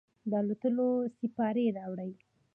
د الوتلو سیپارې راوړي